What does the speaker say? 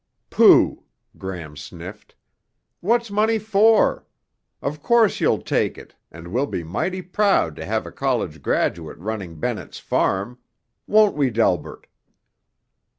"Pooh," Gram sniffed. "What's money for? Of course you'll take it and we'll be mighty proud to have a college graduate running Bennett's Farm. Won't we, Delbert?"